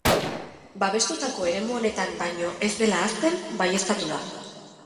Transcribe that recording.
Babestutako eremu honetan baino ez dela hazten baieztatu da.